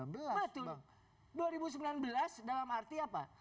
betul dua ribu sembilan belas dalam arti apa